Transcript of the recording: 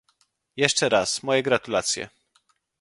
Jeszcze raz, moje gratulacje